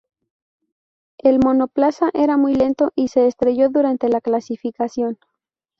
El monoplaza era muy lento, y se estrelló durante la clasificación.